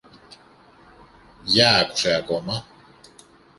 Για άκουσε ακόμα.